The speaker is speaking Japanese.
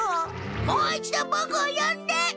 もう一度ボクをよんで！